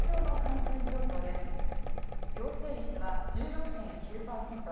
陽性率は１６．９％